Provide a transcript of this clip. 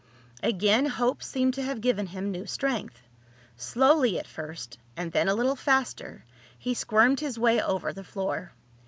Again hope seemed to have given him new strength. Slowly at first, and then a little faster, he squirmed his way over the floor.